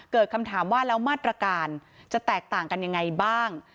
เกิดคำถามว่าแล้วมาตรการจะแตกต่างกันยังไงบ้าง